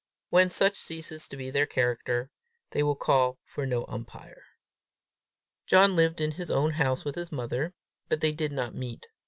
When such ceases to be their character, they will call for no umpire. John lived in his own house with his mother, but they did not meet.